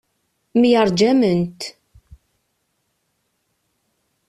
Myerjament.